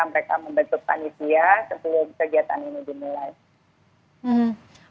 mereka membentuk panitia sebelum kegiatan ini dimulai